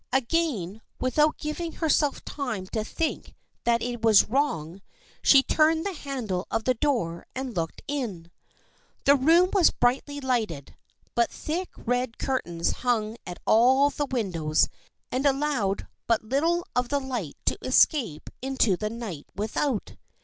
Again without giv ing herself time to think that it was wrong, she turned the handle of the door and looked in. The room was brightly lighted, but thick red curtains hung at all the windows and allowed but little of the light to escape into the night without.